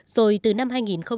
rồi từ năm hai nghìn một mươi một